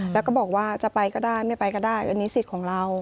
แล้วก็บอกว่าจะไปก็ได้ไม่ไปก็ได้อันนี้สิทธิ์ของเรา